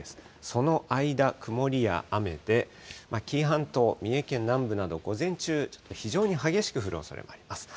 その間、曇りや雨で、紀伊半島、三重県南部など、午前中、非常に激しく降るおそれもあります。